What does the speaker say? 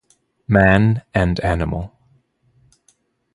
Man and Animal.